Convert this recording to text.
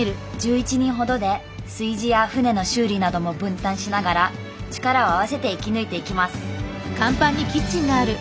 １１人ほどで炊事や船の修理なども分担しながら力を合わせて生き抜いていきます